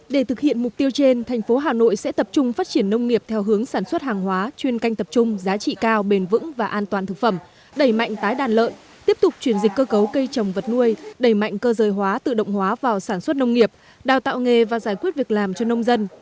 để thực hiện mục tiêu trên thành phố hà nội sẽ tập trung phát triển nông nghiệp theo hướng sản xuất hàng hóa chuyên canh tập trung giá trị cao bền vững và an toàn thực phẩm đẩy mạnh tái đàn lợn tiếp tục chuyển dịch cơ cấu cây trồng vật nuôi đẩy mạnh cơ rời hóa tự động hóa vào sản xuất nông nghiệp đào tạo nghề và giải quyết việc làm cho nông dân